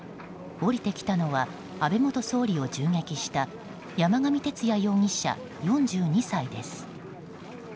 降りてきたのは安倍元総理を銃撃した山上徹也容疑者、４２歳です。